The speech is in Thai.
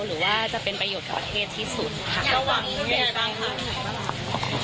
หรือว่าจะเป็นประโยชน์กับประเทศที่สุดค่ะ